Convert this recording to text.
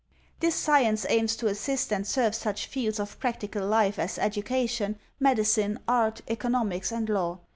This science aims to assist and serve such fields of practical life as education, medicine, art, economics and law.